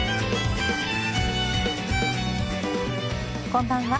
こんばんは。